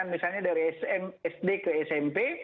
misalnya dari sd ke smp